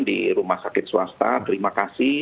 di rumah sakit swasta terima kasih